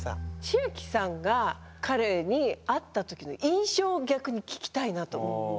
千明さんが彼に会った時の印象を逆に聞きたいなと思って。